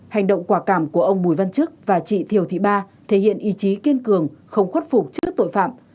hành động quả cảm của ông bùi văn chức và chị thiều thị ba thể hiện ý chí kiên cường không khuất phục trước tội phạm